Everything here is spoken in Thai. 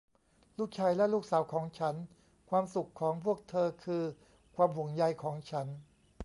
ลูกชายและลูกสาวของฉัน ความสุขของพวกเธอคือความห่วงใยของฉัน